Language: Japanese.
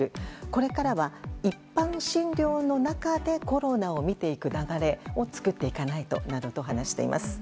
これからは一般診療の中でコロナを診ていく流れを作っていかないとなどと話しています。